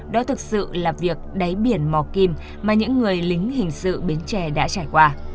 đó thực sự là việc đáy biển mò kim mà những người lính hình sự bến tre đã trải qua